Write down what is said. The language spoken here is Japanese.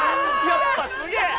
やっぱすげえ！